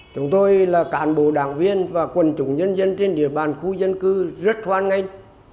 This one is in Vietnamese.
chúng tôi là cán bộ đảng viên và quần chúng nhân dân trên địa bàn khu dân cư rất hoan nghênh